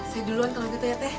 si duluan kalau gitu ya teh